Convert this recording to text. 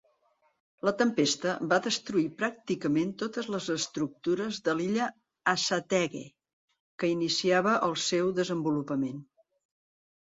La tempesta va destruir pràcticament totes les estructures de l'illa Assateague, que iniciava el seu desenvolupament.